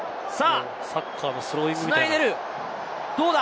サッカーのスローインみたいですね。